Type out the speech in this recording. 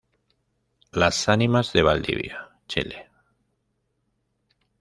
Las Ánimas de Valdivia, Chile.